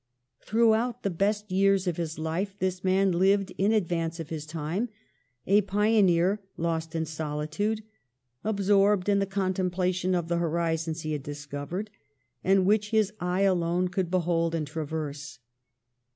Throughout the best years of his life this man lived in advance of his time, a pioneer lost in solitude, absorbed in the contemplation of the horizons he had discovered and which his eye alone could behold and traverse.